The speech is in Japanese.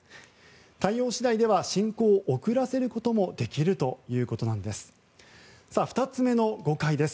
対応次第では進行を遅らせることもできるということなんです。